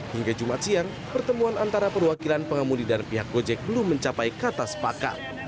hingga jumat siang pertemuan antara perwakilan pengemudi dan pihak gojek belum mencapai kata sepakat